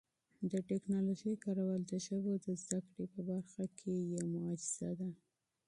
د ټکنالوژۍ کارول د ژبو د زده کړې په برخه کي یو معجزه ده.